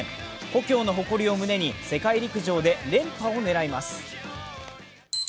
故郷の誇りを胸に世界陸上で連覇を狙います。